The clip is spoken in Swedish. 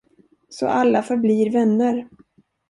Så alla förblir vänner.